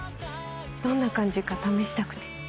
どんな感じか試したくて。